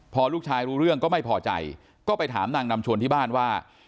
พอลูกชายรู้เรื่องก็ไม่พอใจก็ไปถามนางนำชวนที่บ้านว่า